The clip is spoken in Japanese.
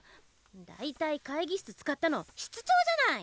大体会議室使ったの室長じゃない！